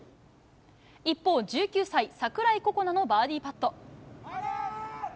一方、１９歳、櫻井心那のバーディーパット。